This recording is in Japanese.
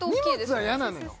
荷物は嫌なのよ